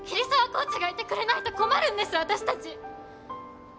コーチがいてくれないと困るんです私たち！